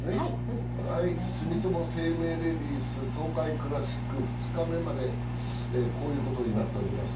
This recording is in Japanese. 住友生命レディス東海クラシック２日目まで、こういうことになっております。